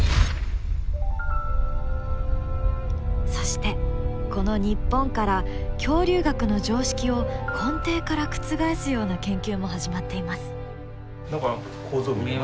そしてこの日本から恐竜学の常識を根底から覆すような研究も始まっています。